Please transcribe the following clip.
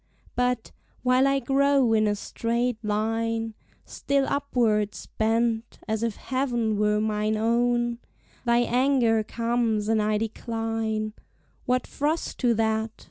But, while I grow in a straight line, Still upwards bent, as if heav'n were mine own, Thy anger comes, and I decline: What frost to that?